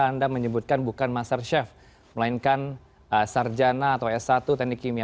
anda menyebutkan bukan master chef melainkan sarjana atau s satu teknik kimia